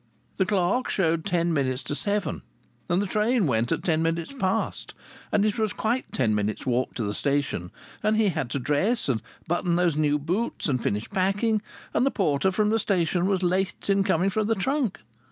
The clock showed ten minutes to seven, and the train went at ten minutes past. And it was quite ten minutes' walk to the station, and he had to dress, and button those new boots, and finish packing and the porter from the station was late in coming for the trunk!